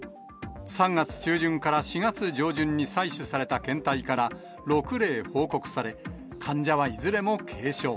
３月中旬から４月上旬に採取された検体から６例報告され、患者はいずれも軽症。